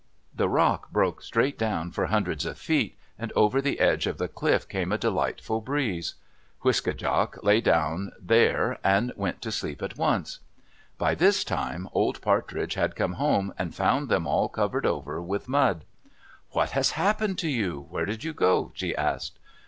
The rock broke straight away for hundreds of feet, and over the edge of the cliff came a delightful breeze. Wiske djak lay right down there and went to sleep at once. By this time Old Partridge had got home, and found them all covered over with mud. "What has happened to you? Where did you go?" she asked.